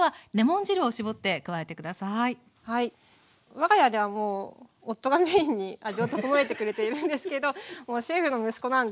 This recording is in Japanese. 我が家ではもう夫がメインに味を調えてくれているんですけどもうシェフの息子なんでもう。